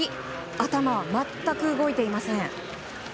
頭は全く動いていません。